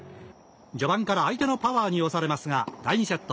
序盤から相手のパワーに押されますが第２セット。